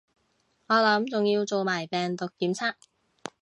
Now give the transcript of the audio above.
我諗仲要做埋病毒檢測